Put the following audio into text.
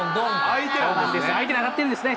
相手に当たってるんですね。